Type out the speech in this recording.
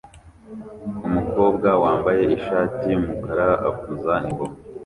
Umukobwa wambaye ishati yumukara avuza ingoma